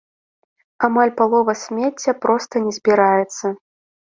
Амаль палова смецця проста не збіраецца.